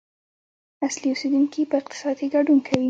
اصلي اوسیدونکي په اقتصاد کې ګډون کوي.